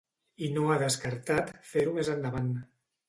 I no ha descartat fer-ho més endavant.